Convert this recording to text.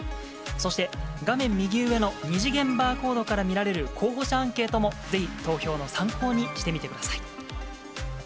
そして、画面右上の２次元バーコードから見られる候補者アンケートも、ぜひ、投票の参考にしてみてください。